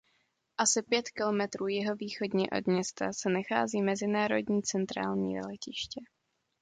Asi pět kilometrů jihovýchodně od města se nachází mezinárodní Centrální letiště.